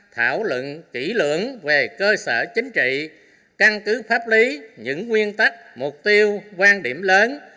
thảo luận kỹ lưỡng về cơ sở chính trị căn cứ pháp lý những nguyên tắc mục tiêu quan điểm lớn